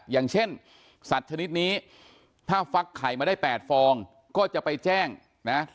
อย่างเช่นสัตว์ชนิดนี้ถ้าฟักไข่มาได้๘ฟองก็จะไปแจ้งนะ